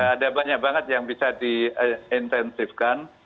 ada banyak banget yang bisa diintensifkan